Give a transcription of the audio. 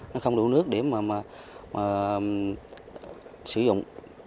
nó không đủ nước để mà sử dụng